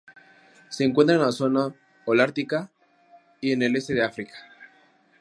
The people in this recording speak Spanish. Se encuentra en la zona holártica y en el este de África.